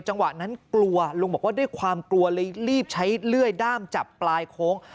จังหวะนั้นกลัวลุงบอกว่าด้วยความกลัวเลยรีบใช้เลื่อยด้ามจับปลายโค้ง